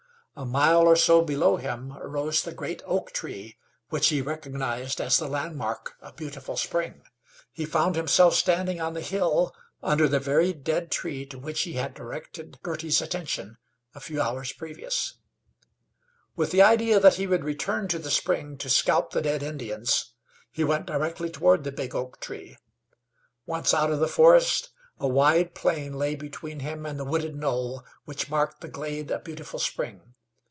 A mile or so below him arose the great oak tree which he recognized as the landmark of Beautiful Spring. He found himself standing on the hill, under the very dead tree to which he had directed Girty's attention a few hours previous. With the idea that he would return to the spring to scalp the dead Indians, he went directly toward the big oak tree. Once out of the forest a wide plain lay between him and the wooded knoll which marked the glade of Beautiful Spring.